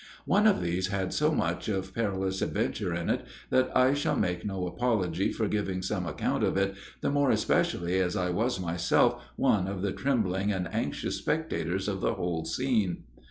One of these had so much of perilous adventure in it, that I shall make no apology for giving some account of it, the more especially as I was myself one of the trembling and anxious spectators of the whole scene.